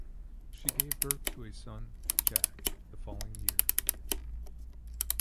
She gave birth to a son, Jack, the following year.